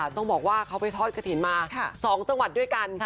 ที่ไปทอดกระทินมาสองจังหวัดด้วยกัน